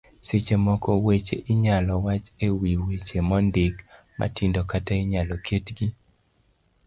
seche moko weche inyalo wach e wi weche mondik matindo kata inyalo ketgi